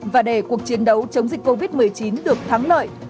và để cuộc chiến đấu chống dịch covid một mươi chín được thắng lợi